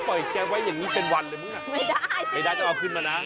แกไว้อย่างนี้เป็นวันเลยมึงอ่ะไม่ได้ไม่ได้ต้องเอาขึ้นมานะ